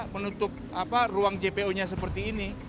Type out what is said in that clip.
menutup ruang jpo nya seperti ini